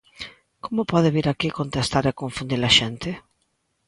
¿Como pode vir aquí contestar e confundir a xente?